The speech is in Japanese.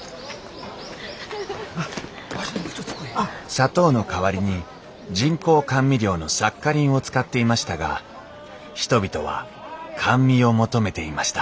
砂糖の代わりに人工甘味料のサッカリンを使っていましたが人々は甘味を求めていました